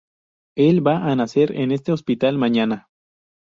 Él va a nacer en este hospital mañana.